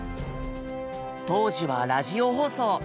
当時はラジオ放送。